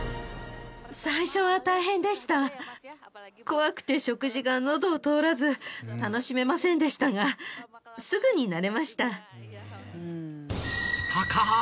怖くて食事がのどを通らず楽しめませんでしたがすぐに慣れました。